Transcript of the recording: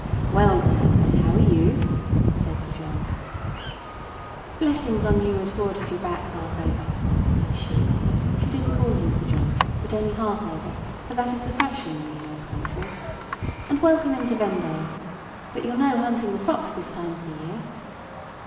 "Well, dame, and how are you?" said Sir John. "Blessings on you as broad as your back, Harthover," says she—she didn't call him Sir John, but only Harthover, for that is the fashion in the North country—"and welcome into Vendale: but you're no hunting the fox this time of the year?"